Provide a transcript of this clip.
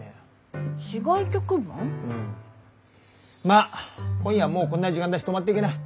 まあ今夜はもうこんな時間だし泊まっていきな。